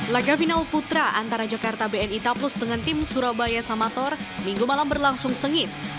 laga final putra antara jakarta bni taplus dengan tim surabaya samator minggu malam berlangsung sengit